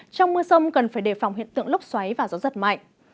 trong mưa sông cần phải đề phòng hiện tượng lốc xoáy và gió giật mạnh